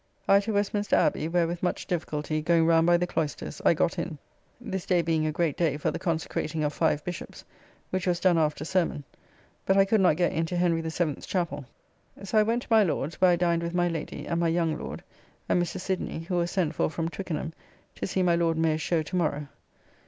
I to Westminster Abbey, where with much difficulty, going round by the cloysters, I got in; this day being a great day for the consecrating of five Bishopps, which was done after sermon; but I could not get into Henry the Seventh's chappell. So I went to my Lord's, where I dined with my Lady, and my young Lord, and Mr. Sidney, who was sent for from Twickenham to see my Lord Mayor's show to morrow.